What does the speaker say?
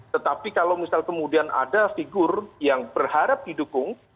tetapi kalau misal kemudian ada figur yang berharap didukung